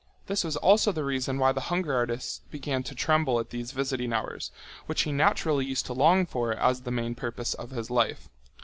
This was also the reason why the hunger artist began to tremble at these visiting hours, which he naturally used to long for as the main purpose of his life.